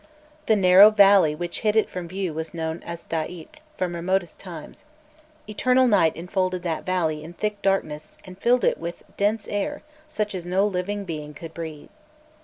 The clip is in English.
The narrow valley which it hid from view was known as Da'it from remotest times. Eternal night enfolded that valley in thick darkness, and filled it with dense air such as no living thing could breathe.